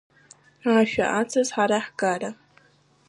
Ашәа ацыз ҳара ҳгара…